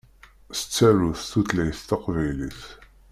Tettaru s tutlayt taqbaylit.